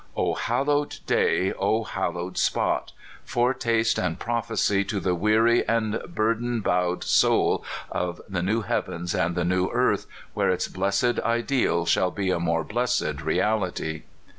O hallowed day! O hallowed spot! foretaste and prophecy to the weary and burden bowed soul of the new heavens and the new earth where its blessed ideal shall be a more blessed reality!